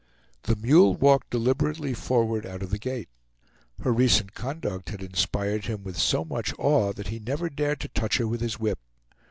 The mule walked deliberately forward out of the gate. Her recent conduct had inspired him with so much awe that he never dared to touch her with his whip.